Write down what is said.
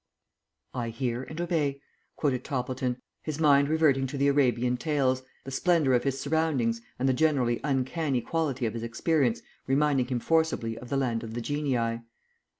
"I hear and obey," quoted Toppleton, his mind reverting to the Arabian Tales, the splendour of his surroundings and the generally uncanny quality of his experience reminding him forcibly of the land of the Genii.